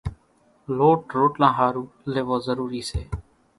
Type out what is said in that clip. لوٽ روٽلان ۿارُو ليوو ضروري سي۔